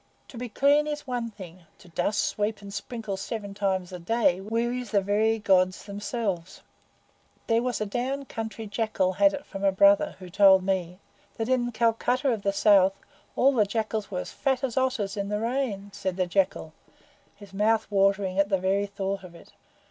To be clean is one thing; to dust, sweep, and sprinkle seven times a day wearies the very Gods themselves." "There was a down country jackal had it from a brother, who told me, that in Calcutta of the South all the jackals were as fat as otters in the Rains," said the Jackal, his mouth watering at the bare thought of it.